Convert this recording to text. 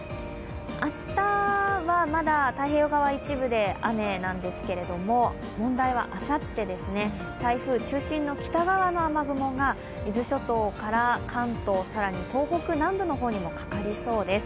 明日は、まだ太平洋側一部で雨なんですけど問題はあさってですね、台風中心の北側の雨雲が伊豆諸島から関東、さらに東北南部の方にもかかりそうです。